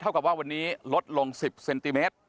กับว่าวันนี้ลดลง๑๐เซนติเมตร